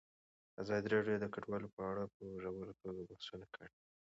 ازادي راډیو د کډوال په اړه په ژوره توګه بحثونه کړي.